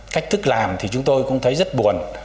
cách thức làm thì chúng tôi cũng thấy rất buồn